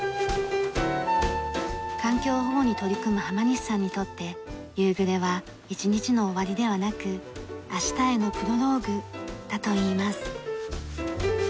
環境保護に取り組む浜西さんにとって夕暮れは一日の終わりではなく明日へのプロローグだといいます。